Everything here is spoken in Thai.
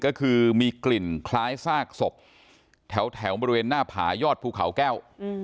ก็คือมีกลิ่นคล้ายซากศพแถวบริเวณหน้าผายอดภูเขาแก้ว